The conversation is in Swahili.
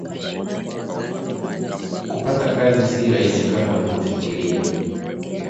Kupaata kazi si rahisi kama alivyofikiria